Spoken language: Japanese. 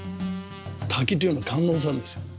滝というのは観音さんですよ。